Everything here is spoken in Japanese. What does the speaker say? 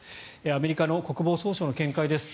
アメリカの国防総省の見解です。